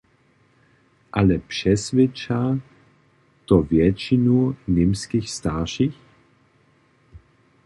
Ale přeswědča to wjetšinu němskich staršich?